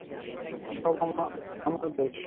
সব আমার দোষ।